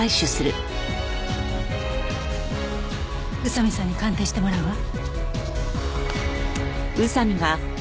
宇佐見さんに鑑定してもらうわ。